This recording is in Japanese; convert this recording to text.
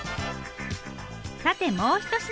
さてもうひと品。